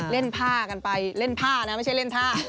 เล่นผ้ากันไปเล่นผ้านะไม่ใช่เล่นท่า